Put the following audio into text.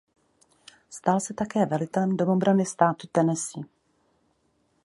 Stal se také velitelem domobrany státu Tennessee.